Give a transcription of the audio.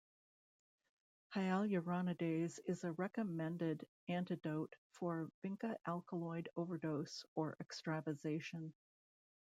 Hyaluronidase is a recommended antidote for vinca alkaloid overdose or extravasation.